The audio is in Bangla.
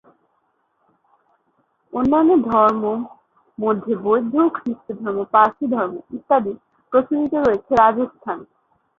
অন্যান্য ধর্ম মধ্যে বৌদ্ধ, খ্রিষ্টধর্ম, পারসি ধর্ম ইত্যাদি প্রচলিত রয়েছে রাজস্থানে।